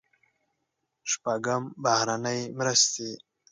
شپږم: بهرنۍ مرستې.